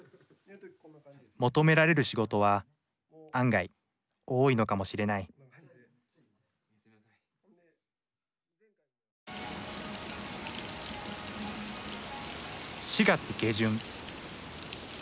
求められる仕事は案外多いのかもしれない４月下旬。